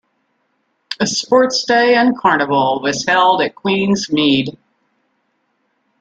A sports day and carnival was held at Queen's Mead.